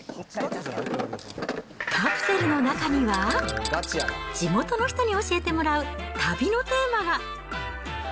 カプセルの中には、地元の人に教えてもらう旅のテーマが。